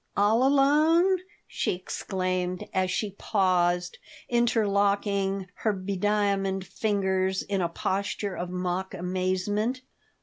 All alone?" she exclaimed, as she paused, interlocking her bediamonded fingers in a posture of mock amazement.